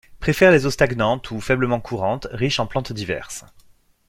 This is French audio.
Préfère les eaux stagnantes ou faiblement courantes, riches en plantes diverses.